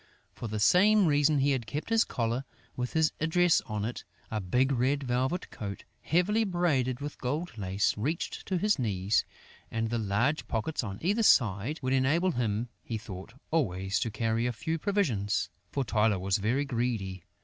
For the same reason, he had kept his collar, with his address on it. A big red velvet coat, heavily braided with gold lace, reached to his knees; and the large pockets on either side would enable him, he thought, always to carry a few provisions; for Tylô was very greedy.